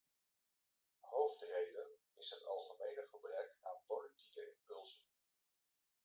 Hoofdreden is het algemene gebrek aan politieke impulsen.